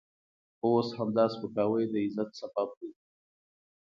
اوس همدا سپکاوی د عزت سبب دی.